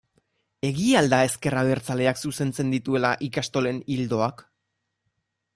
Egia al da ezker abertzaleak zuzentzen dituela ikastolen ildoak?